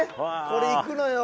これいくのよ。